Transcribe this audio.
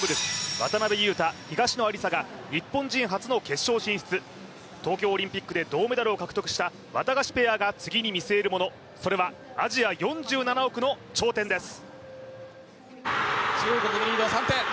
渡辺勇大・東野有紗が日本人初の決勝進出、東京オリンピックで銅メダルを獲得したワタガシペアが次に見据えるもの、それはアジア４７億の頂点です。